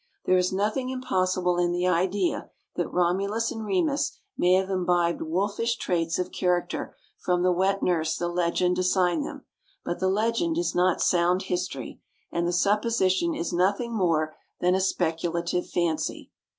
There is nothing impossible in the idea that Romulus and Remus may have imbibed wolfish traits of character from the wet nurse the legend assigned them, but the legend is not sound history, and the supposition is nothing more than a speculative fancy.